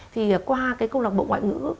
thì qua câu lạc bộ ngoại ngữ